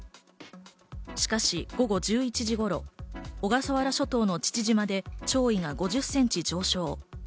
しかし午後１１時頃、小笠原諸島の父島で潮位が５０センチ上昇。